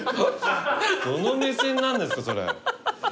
どの目線なんですかそれ。